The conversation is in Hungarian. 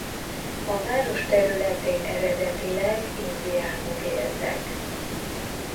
A város területén eredetileg indiánok éltek.